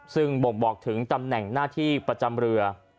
ซึ่งบ่งบอกถึงตำแหน่งหน้าที่ประจำเรือ